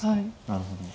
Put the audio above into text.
なるほど。